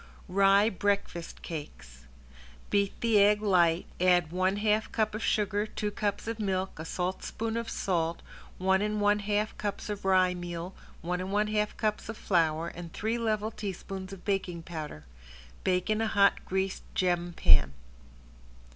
~RYE BREAKFAST CAKES~ Beat the egg light, add one half cup of sugar, two cups of milk, a saltspoon of salt, one and one half cups of rye meal, one and one half cups of flour and three level teaspoons of baking powder. Bake in a hot greased gem pan.